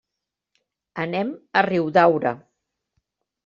Anem a Riudaura.